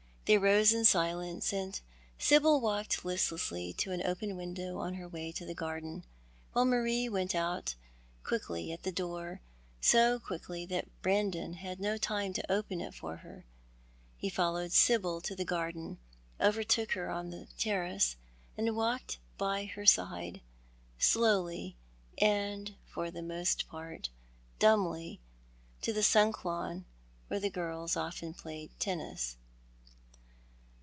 They rose in silence, and Sibyl walked listlessly to an open window on her way to the garden, while Marie went quickly out at the door, so quickly that Brandon had no time to open it for her. He followed Sibyl to the garden, overtook her on the terrace, and walked by her side, slowly and for the most part dumbly, to the sunk lawn, where the girls often i:)layed tennis.